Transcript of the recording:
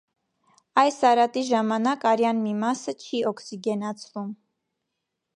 Այս արատի ժամանակ արյան մի մասը չի օքսիգենացվում։